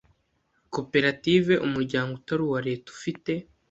koperative umuryango utari uwa Leta ufite